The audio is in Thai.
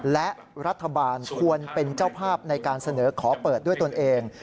และรัฐบาลควรเป็นเจ้าภาพในการเสนอขอเปิดด้วยตนเอง